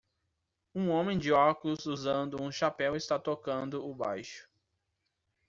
Um homem de óculos usando um chapéu está tocando o baixo